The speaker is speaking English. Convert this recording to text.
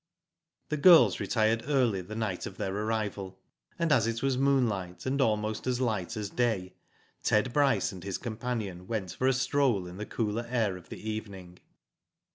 The girls retired early the night of their arrival, and as it was moonlight, and almost as light as day, Ted Bryce and his companion went for a stroll in the cooler air of the evening.